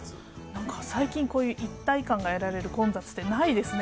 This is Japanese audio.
なんか最近、こういう一体感が得られる混雑ってないですね。